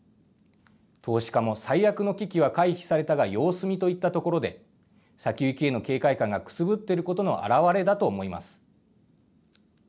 投資家も最悪の危機は回避されたが様子見といったところで、先行きへの警戒感がくすぶっていることへの表れだと思います。